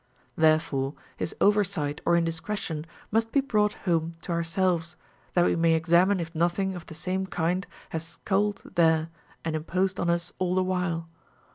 Therefore his oversight or indiscretion must be brought home to ourselves, that we may examine if nothing of the same kind has skulked tliere and imposed on us all the while.